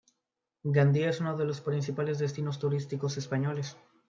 Gandía es uno de los principales destinos turísticos españoles.